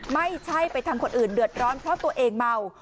ไม่ใช่ไปทำคนอื่นเดือดร้อนเพราะตัวเองเมา